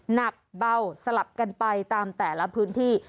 หนักเบาสลับกันไปตามแต่ละพื้นที่